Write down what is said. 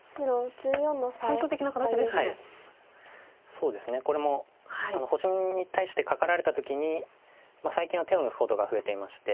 そうですねこれも星に対してカカられた時に最近は手を抜くことが増えていまして。